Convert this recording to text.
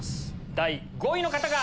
第５位の方が！